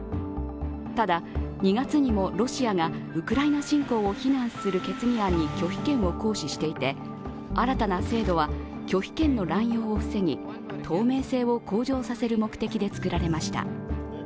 ただ、２月にもロシアがウクライナ侵攻を非難する決議案に拒否権を行使していて新たな制度は拒否権の乱用を防ぎ、透明性を向上させる目的で作られました。